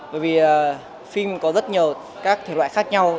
bởi vì phim có rất nhiều các thể loại khác nhau